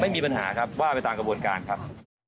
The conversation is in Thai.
มีปัญหาครับว่าไปตามกระบวนการครับ